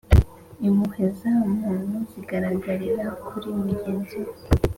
Impuhwe za muntu zigaragarira kuri mugenzi we,